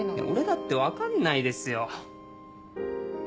俺だって分かんないですよ！